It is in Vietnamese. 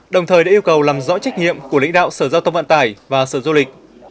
đồng thời đã yêu cầu làm rõ trách nhiệm của lãnh đạo sở giao thông vận tải và sở du lịch